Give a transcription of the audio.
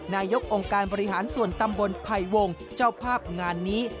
นายกองค์การบริหารส่วนตำบลไผ่วงเจ้าภาพงานนี้